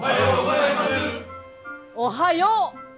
おはよう！